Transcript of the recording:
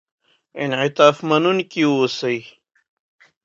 انعطاف منونکي اوسئ.